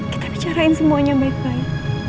kita bicarain semuanya baik baik